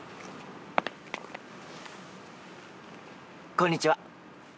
こんにちは。